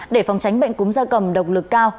để phòng tránh bệnh cúm da cầm độc lực cao